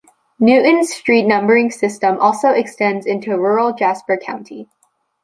Newton's street numbering system also extends into rural Jasper County.